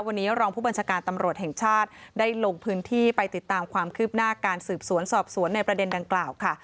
วันนี้รองผู้บัญชาการตำรวจแห่งชาติได้ลงพื้นที่ไปติดตามความคืบหน้าการสืบสวนสอบสวนในประเด็นดังกล่าวค่ะ